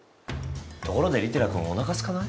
ところで利寺君おなかすかない？